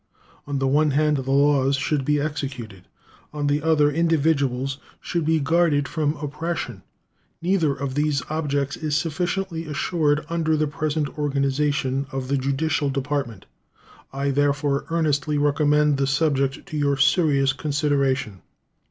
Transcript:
On the one hand, the laws should be executed; on the other, individuals should be guarded from oppression. Neither of these objects is sufficiently assured under the present organization of the judicial department. I therefore earnestly recommend the subject to your serious consideration.